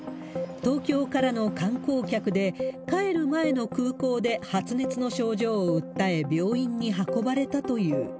東京からの観光客で、帰る前の空港で発熱の症状を訴え、病院に運ばれたという。